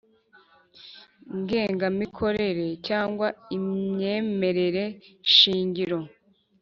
Ngengamikorere cyangwa imyemerere shingiro